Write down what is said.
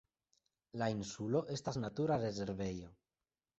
La insulo estas natura rezervejo.